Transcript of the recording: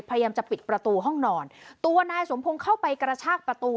พยายามจะปิดประตูห้องนอนตัวนายสมพงศ์เข้าไปกระชากประตู